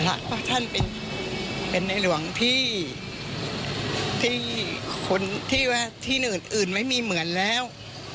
รักว่าท่านเป็นเป็นในหลวงที่ที่คนที่แบบที่อื่นอื่นไม่มีเหมือนแล้ว